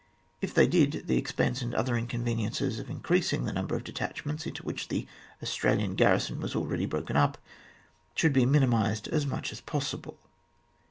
If they did, the expense and other inconveniences of increasing the number of detachments into which the Australian garrison was already broken up, should be minimised as much as possible.